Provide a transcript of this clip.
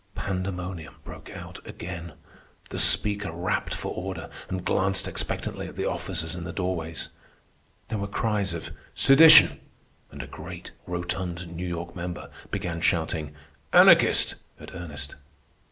Pandemonium broke out again. The Speaker rapped for order and glanced expectantly at the officers in the doorways. There were cries of "Sedition!" and a great, rotund New York member began shouting "Anarchist!" at Ernest.